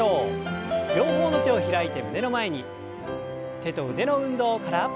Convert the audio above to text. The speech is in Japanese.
手と腕の運動から。